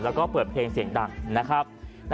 แล้วก็เปิดเพลงเสียงดังนะครับ